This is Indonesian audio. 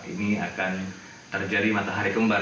ini akan terjadi matahari kembar